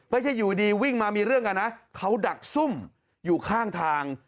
ไม่ใช่อยู่ดีวิ่งมามีเรื่องกันนะเขาดักซุ่มอยู่ข้างทาง